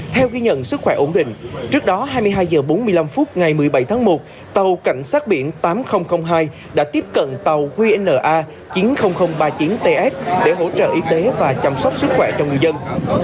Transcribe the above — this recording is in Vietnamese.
theo ghi nhận sức khỏe ổn định trước đó hai mươi hai h bốn mươi năm phút ngày một mươi bảy tháng một tàu cảnh sát biển tám nghìn hai đã tiếp cận tàu qna chín mươi nghìn ba mươi chín ts để hỗ trợ y tế và chăm sóc sức khỏe cho ngư dân